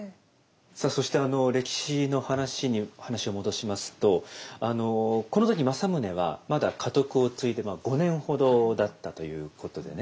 さあそしてあの歴史の話に話を戻しますとこの時政宗はまだ家督を継いで５年ほどだったということでね